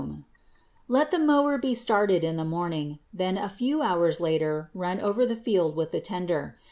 233. CRIMSON CLOVER] Let the mower be started in the morning. Then a few hours later run over the field with the tedder.